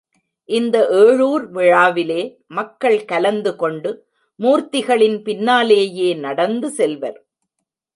இந்த ஏழூர் விழாவிலே மக்கள்கலந்து கொண்டு மூர்த்திகளின் பின்னாலேயே நடந்து செல்வர்.